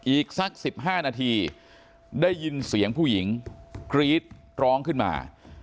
อีกสัก๑๕นาทีได้ยินเสียงผู้หญิงกรี๊ดร้องขึ้นมา